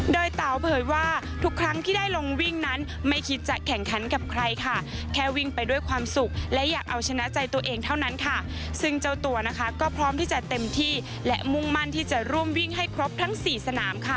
โดยเต๋าเผยว่าทุกครั้งที่ได้ลงวิ่งนั้นไม่คิดจะแข่งขันกับใครค่ะแค่วิ่งไปด้วยความสุขและอยากเอาชนะใจตัวเองเท่านั้นค่ะซึ่งเจ้าตัวนะคะก็พร้อมที่จะเต็มที่และมุ่งมั่นที่จะร่วมวิ่งให้ครบทั้งสี่สนามค่ะ